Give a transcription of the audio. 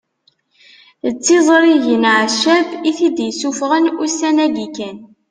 D tiẓrigin Ɛeccab i t-id-isuffɣen ussan-agi kan